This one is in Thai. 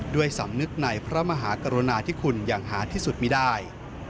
ด้วยสำนึกในพระมหากรุณาที่คุณอย่างหาที่สุดมีได้